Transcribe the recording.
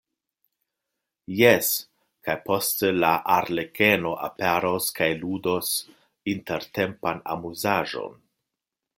Jes, kaj poste la arlekeno aperos kaj ludos intertempan amuzaĵon.